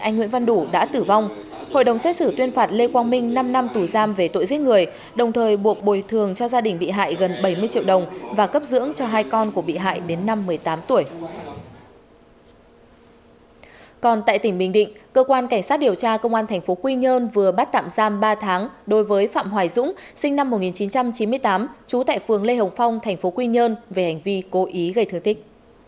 còn tại tỉnh bình định cơ quan cảnh sát điều tra công an tp quy nhơn vừa bắt tạm giam ba tháng đối với phạm hoài dũng sinh năm một nghìn chín trăm chín mươi tám chú tại phường lê hồng phong tp quy nhơn về hành vi cố ý gây thương tích